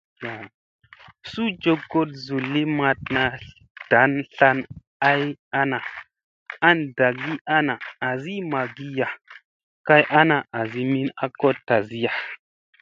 Suu jogoɗ zulli maɗna tlan ay ana an ɗagi ana asi magiya kay ana asi min a koɗtasiya.